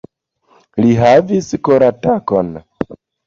Li havis koratakon.